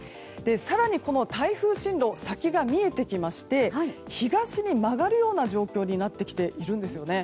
そして、台風進路先が見えてきまして東に曲がるような状況になってきているんです。